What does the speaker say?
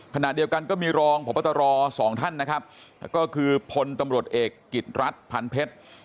ขณะเดียวกันก็มีรองพบตรสองท่านนะครับก็คือพลตำรวจเอกกิจรัฐพันเพชร